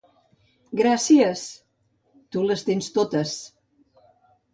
—Gràcies! —Tu les tens totes!